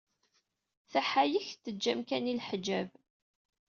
Taḥayekt teǧǧa amkan i leḥǧab.